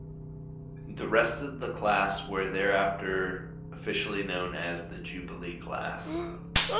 The rest of its class where thereafter officially known as the Jubilee Class.